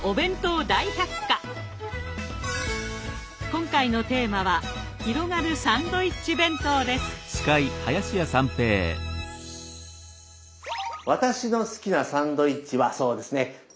今回のテーマは私の好きなサンドイッチはそうですねツナサンドイッチ。